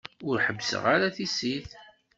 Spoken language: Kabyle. Ur ḥebbseɣ ara tissit.